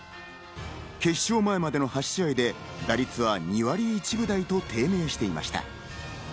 決勝前までの８試合で打率は２割１分台と低迷していました。